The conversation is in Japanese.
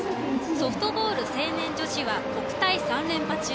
ソフトボール成年女子では国体３連覇中。